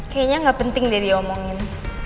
kayaknya gak penting deh dia omongin